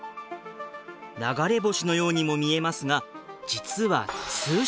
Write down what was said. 流れ星のようにも見えますが実は通信衛星。